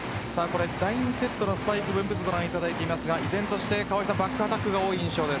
第２セットのスパイク分布図ですが依然としてバックアタックが多い印象です。